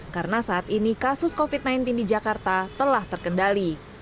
karena saat ini kasus covid sembilan belas di jakarta telah terkendali